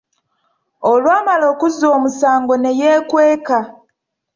Olwamala okuzza omusango ne yeekweka.